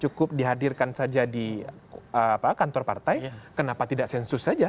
cukup dihadirkan saja di kantor partai kenapa tidak sensus saja